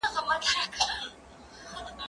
که وخت وي، واښه راوړم!.